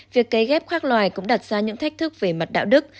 việc kế ghép khác loài cũng đặt ra những thách thức về mặt đạo đức